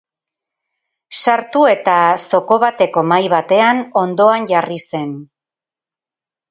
Sartu eta zoko bateko mahai baten ondoan jarri zen.